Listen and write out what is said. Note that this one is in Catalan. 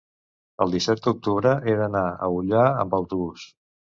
el disset d'octubre he d'anar a Ullà amb autobús.